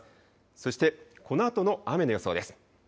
そしてこのあとの雨の予想です。